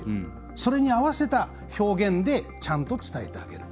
それに合わせた表現でちゃんと伝えてあげる。